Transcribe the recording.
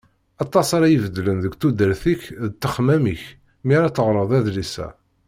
Aṭas ara ibeddlen deg tudert-ik d ttexmam-ik mi ara teɣreḍ adlis-a.